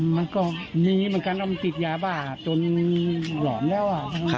มันก็มีเหมือนกันติดยาบาดจนหล่อนแล้ว